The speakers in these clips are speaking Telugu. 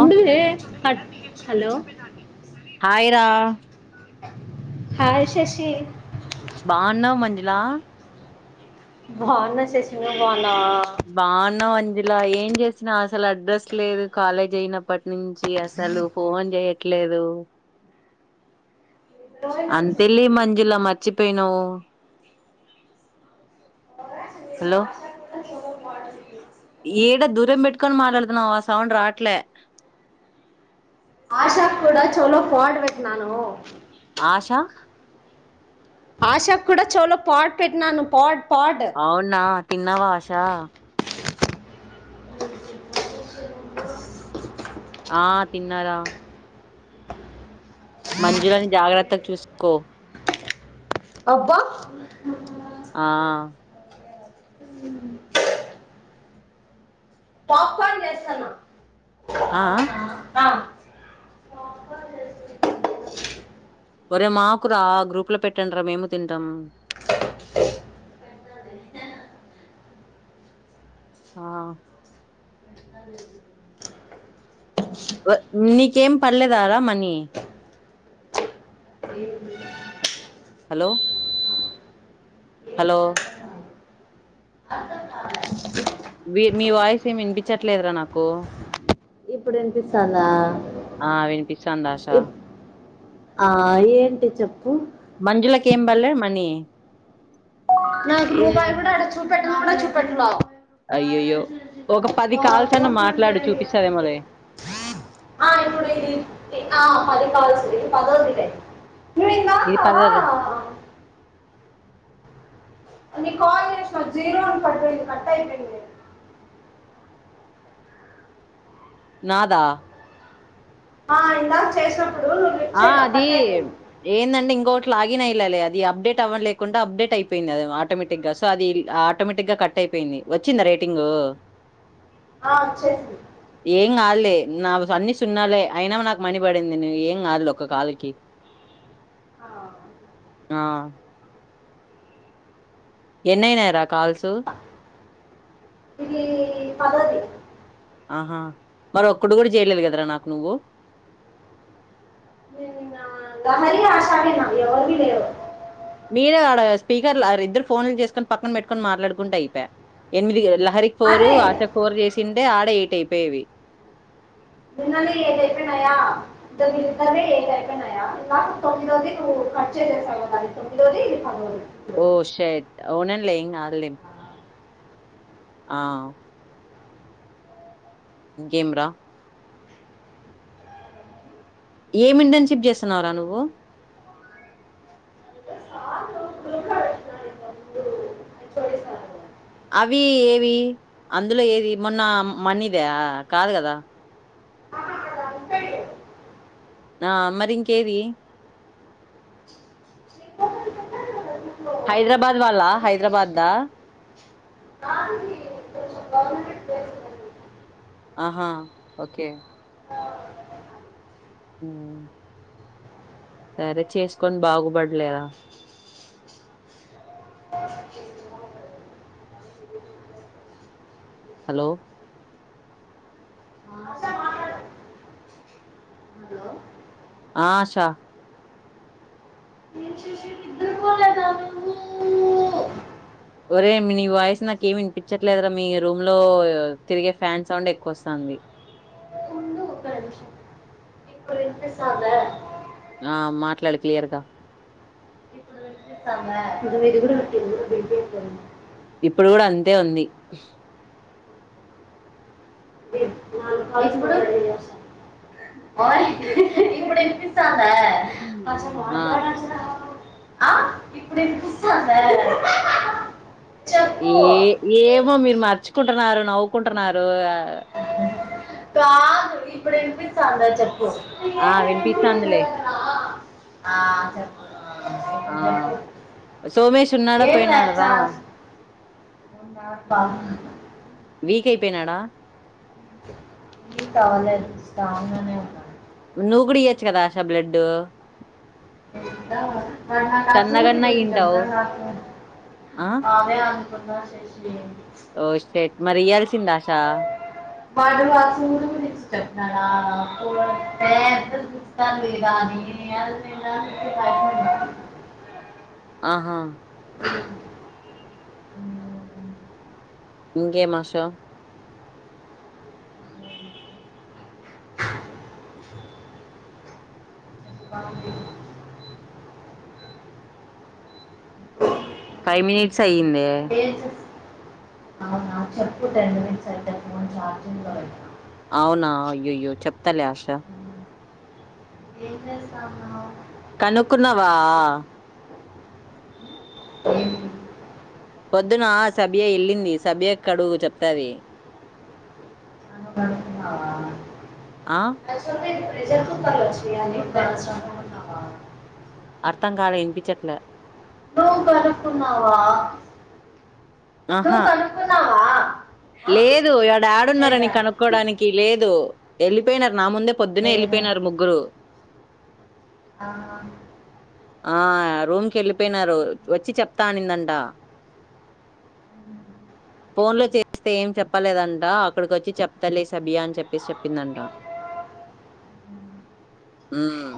ఓ వే అట్ హలో హాయ్ రా హాయ్ శేషి బా ఉన్నవ్ మంజుల బాఉన్న శేషి నువ్ బా బాఉన్నావ్ అన్ ఇలా ఏం చేసినా అసలు అడ్రస్ లేదు కాలేజ్ అయినప్పట్ నుంచి అసలు ఫోన్ చేయట్ ట్లేదు అంతేలే మం ఇలా మర్చిపోయినావు హలో ఏడా దూరం పెట్టుకొని మాట్లాడుతున్నావ సౌండ్ రావట్లే నా చెవులో పాడ్ పెట్టినాను ఆషా ఆషా కూడా చెవులో పాడ్ పెట్టినాను పాడ్ పాడ్ అవునా తిన్నవా ఆషా ఆ తిన్నరా మంజుగాని జాగ్రత్తగా చూసుకో అబ్బా ఆ పాప్కార్న్ చేస్తాన్నా ఆ ఒరే మాకురా గ్రూప్ లో పెట్టండ్ రా మేము తింటాం ఆ వ నీకేం పడ్లేదార మనీ హలో హలో బి మీ వాయిస్ ఏమి వినిపించట్లేదురా నాకు ఇప్పుడు ఇనిపిస్తాంద చంద్ ఆషా ఆ ఏంటి చెప్పు మంజుల కేెం బడ్లే మనీ నాకు రూపాయి కూడా ఆడ చూపెట్టన్ కూడా చూపెట్టల అయ్యయ్యో ఒక పది కాల్స్ అన్న మాట్లాడు చూపిస్తదేమోలే ఆ ఇప్పుడ ఇది ఆ పది కాల్స్ ఇది పదోది ఇదే ఇది పదోదె నీ కాల్ జేసిన జీరో అని కట్టయి కట్టయిపోయింది లే నాదా ఆ ఇందాక చేసిన ఆ అది ఏందండి ఇన్ కోట్లాగినయాలాలే అది అప్డేట్ అవ్వ లేకుండా అప్డేట్ అయిపోయింది అది ఆటోమేటిక్ గా సో అది ఆటోమేటిక్ గా కట్ అయిపోయింది వచ్చిందా రేటింగు ఆ వచ్చేసింది ఏం కాదులే నాకు అన్ని సున్నాలే అయినా మ నాకు మని పడింది నువ్వు ఏం ఆలోక్క కాల్కి ఆ, ఆ ఎన్నయినయిర కాల్సు ఇదీ పదోది ఆహా మరి ఒక్కటీ కూడా చేయలేదు కదరా నాకు నువ్వు ఆ దమరి ఆషానే ఎవరివి లేవు మీరే ఆడ స్పీకర్ల ఆ ఇద్దరు ఫోన్లు చేసుకొని పక్కన పెట్టుకొని మాట్లాడుకుంటే అయిపయే ఎనిమిది లహరి ఫోరు అదే ఆశ ఇంకా ఫోర్ చేసింటే ఆడే ఎయిట్ అయిపోయేవి నిన్ననే ఏడైపోయినాయా ఇంకా తొమ్మిదోది నువ్వు కట్చచేసేసావవ్ కదా అది తొమ్మిదోది ఇది పదోది ఓషట్ అవునాన్లే ఏం కాదు లే ఆ ఇంకేంరా ఏమి ఇంటర్న్షిప్ చేస్తున్నావుర నువ్వు హలో అవి ఏవి అందులో ఏది మొన్న మనీద కాదు కదా నా మరి ఇంకేది హైదరాబాద్ వాళ్ళా హైదరాబాద్ దా ఆహా ఓకే ఊమ్ సరే చేసుకొని బాగుపడులేరా హలో ఆ ఆషా నేను చూసి నిద్రపోలేదా నువ్వు ఒరే నీ వాయిస్ నాకు ఏమి వినిపించట్లేదురా మీ రూమ్ లో తిరిగే ఫ్యాన్ సౌండ్ ఎక్కువ వస్తంది ఉండు వినిపిస్తందా ఆ మాట్లాడు క్లియర్గా స్థాందా ఇప్పుడు కూడా అంతే ఉంది ఇప్పుడు స్థందా ఆ ఇప్పుడినిపిస్తందా ఏ ఏమో మీరు మర్చుకుంటున్నారు నవ్వుకుంటున్నారు ఆ చెప్పు ఆ వినిపితానందిలే చెప్పు ఆ సోమేష్ ఉన్నాడా పోయినడరా పప్పా వీక్ అయిపోయినాడా ఇంకా అవ్వలేదు స్ట్రాంగ్గానే వున్నాడు నువ్వు గుడ ఇయచ్చుగాద ఆశ బ్లడు అమె వున్న చేసిపోయింది ఓషెట్ మరి ఇయ్యల్సింది ఆశ వాడు వాసు గురించి చేపినాడ ఏ అద్దు సూస్తాంది గాని ఆలు మేం రానికి బయట్నే వున్నం ఆహా ఇంకేం ఆశ ఫైవ్ మినిట్స్ అయ్యిందే ఏం చేస్తాను నాకు చెప్పు టెన్ మినిట్స్ అయితే ఫోన్ ఛార్జింగ్లో పెడుతా అవునా అయ్యోయ్యో చెప్తాలే ఆశ ఏం చేస్తాను కనుక్కున్నావా పొద్దున సబియ వెళ్ళింది సబియకి అడుగు చెప్తాది నువ్వు అడుగుతున్నావా ఆ యాక్చువల్ నేను ప్రెషర్ కుక్కర్లు వచ్చినాయండి అర్థం కాలే వినిపించట్లే నువ్వు కనుక్కున్నావా నువ్వు ఆహా కనుక్కున్నావా లేదు ఈడ యాడున్నారని లేదా కనుక్కోడానికి లేదు వెళ్ళిపోయినారు నా ముందే పొద్దునే లేదా వెళ్ళిపోయినారు ముగ్గురు ఆ, ఆ రూమ్ కి వెళ్ళిపోయినారు వచ్చి చెప్తా అనిందంట ఫోన్ లో చేస్తే ఏం చెప్పలేదంట అక్కడికి వచ్చి చెప్తలే సబియా అని చెప్పేసి చెప్పిందంట ఉమ్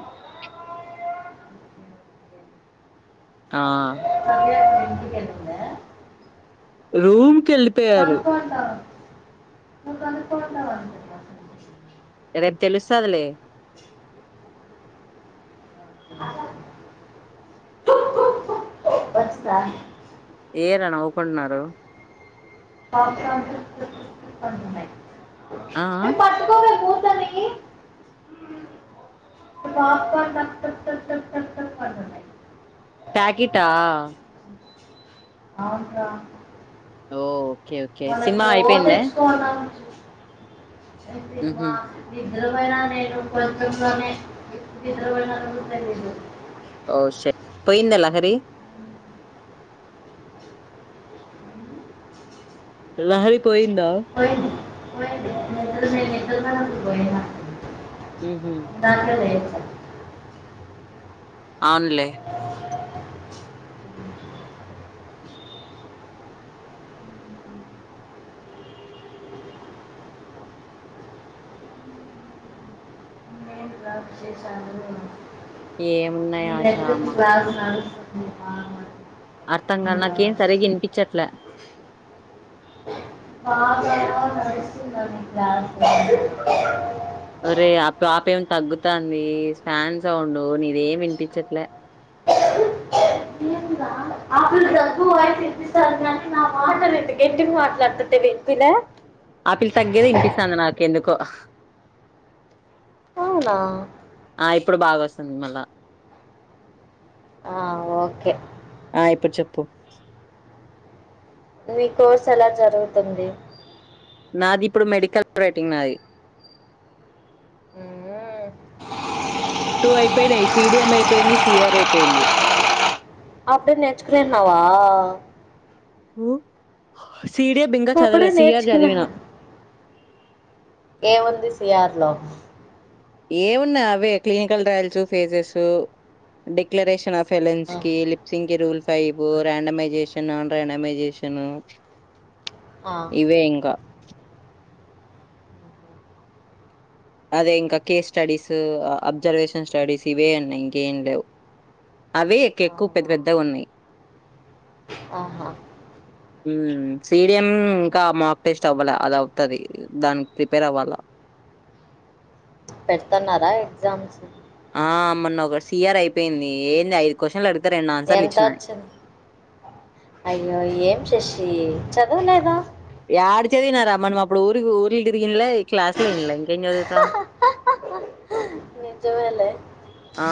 ఆ సరే, అక్కడ ఇంటికి వెళ్ళిందా రూమ్ కి నువ్వు వెళ్ళిపోయారు కనుక్కుంటావు నువ్వు కనుక్కుంటావు అనుకుంటున్నా రేపు తెలుస్తదిలే వచ్చిందా ఏరా నవ్వుకుంటున్నారు పాప్కార్న్ టక్ టక్ టక్ టక్ అంటున్నాయి ఆ ఇవి పట్టుకోవే మూతని పాప్కార్న్ టక్ టక్ టక్ టక్ టక్ టక్ అంటున్నాయి ప్యాకెటా అవునరా ఓ ఓకే ఓకే మనం సినిమా ఇప్పుడు ఓ అయిపోయిందా తెచ్చుకున్నాం సినిమా ఉహు నిద్రపోయిన నేను కొంచెంలోనే నిద్రపోయిన తెలియదు ఓ షట్ పోయిందా లహరి లహరి పోయిందా పోయింది పోయింది నిద్ర నేను నిద్రపోయినప్పుడు పోయినా ఉహు దాంట్లో లేదు అవునులే నేను క్లాస్ చేశాను ఏమున్నాయి మీ దగ్గర ఆషామ్మ క్లాస్ నడుస్తుంది బాగా అర్థం కాదు ఇంకా నాకేం సరిగ్గా వినిపించట్లే బాగా నడుస్తుందని క్లాస్ ఒరే ఆ పాప ఏం తగ్గుతాంది ఫ్యాన్ సౌండ్ నీదేం వినిపించట్లే నేను రా- అప్పుడు దగ్గు వాయిస్ వినిపిస్తారు కానీ నా మాట రెండు గట్టిగా మాట్లాడుతుంటే వినిపిలే ఆ పిల్ల తగ్గేదే వినిపిస్తాంది నాకెందుకో అవునా ఆ ఇప్పుడు బాగా వస్తుంది మళ్ళా ఆ, ఓకే ఆ ఇప్పుడు చెప్పు మీ కోర్స్ ఎలా జరుగుతుంది నాది ఇప్పుడు మెడికల్ రైటింగ్ నాది హ్మ్. టూ అయిపోయినాయి సిడిఎం అయిపోయింది సిఆర్ అయిపోయింది అప్పుడే నేర్చుకున్నావా సిడిఎం ఇంకా అప్పుడే చదవలే సిఆర్ నేర్చుకున్నా చదివినా ఏముంది సిఆర్ లో ఏమున్నాయి అవే clinical trials phases declaration of ఎలెన్స్ కి లిప్సింగ్ కి rule five randomisation non randomisation ఆ, ఇవే ఇంకా అదే ఇంకా కేస్ స్టడీస్ అబ్జర్వేషన్ స్టడీస్ ఇవే ఉన్నాయి ఇంకేం లేవు అవే ఎక్- ఎక్కువ పెద్ద అవునా పెద్దగా ఉన్నాయి ఆహా సిడిఎం ఇంకా మాక్ టెస్ట్ అవ్వాల అది అవుతది దానికి ప్రిపేర్ అవ్వాలా పెడుతున్నారా ఎగ్జామ్స్ ఆ మొన్న ఒక సిఆర్ అయిపోయింది ఏంది ఐదు క్వశ్చన్లు అడిగితే రెండు ఆన్సర్లు ఎంత ఇచ్చినా వచ్చింది అయ్యో ఏం శశి చదవలేదా యాడ చదివినారా మనం అప్పుడు ఊరికి ఊర్లు తిరిగిన్లే క్లాస్ లో ఇన్లే ఇంకేం చదువుతా నిజమేలే ఆ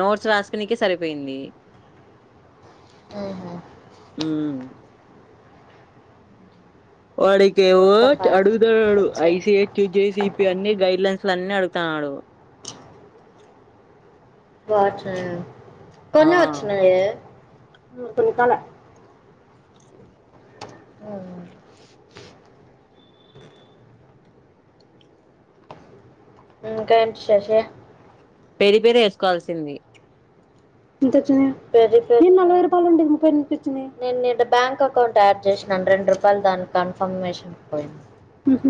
నోట్స్ రాసుకునికే సరిపోయింది మ్మ్హ. ఉమ్ వాడికేమో ఒక్క ఫైవ్ సెకండ్ అడుగుతున్నాడు వచ్చాయి ఐసిహెచ్ జేసిపి అన్ని గైడ్ లైన్స్ అన్ని అడుగుతున్నాడు బాగా వచ్చినాయి. ఆ కొన్ని వచ్చినాయి కొనుక్కోలే మ్మ్. ఇంకేంటి శశి పెరి పెరి వేసుకోవాల్సింది ఎంత వచ్చింది పెరి పెరి నేను నలభై రూపాయలు ఉండేది ముప్పై ఎనిమిది వచ్చింది నేను నేను బ్యాంక్ అకౌంట్ యాడ్ చేసినాను రెండు రూపాయలు దాని కన్ఫర్మేషన్ పోయింది మ్హూ.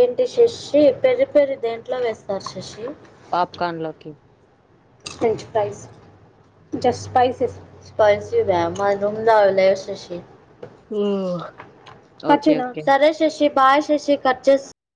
ఏంటి శశి పెరి పెరి దేంట్లో వేస్తారు శశి పాప్కార్న్ లోకి French fries just spices spicy బ్యా మా రూమ్లో లేవు శశి ఓ ఓకే ఖర్చేనా ఓకే సరే శశి బాయ్ శశి కట్ చేసి